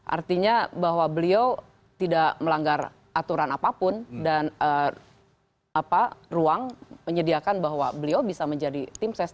artinya bahwa beliau tidak melanggar aturan apapun dan ruang menyediakan bahwa beliau bisa menjadi tim ses